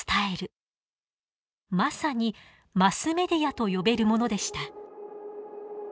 まさにマスメディアと呼べるものでした。